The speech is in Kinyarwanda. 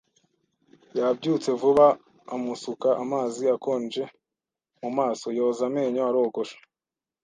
Yabyutse vuba, amusuka amazi akonje mu maso, yoza amenyo, arogosha.